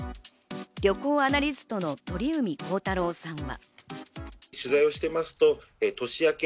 旅行アナリストの鳥海高太朗さんは。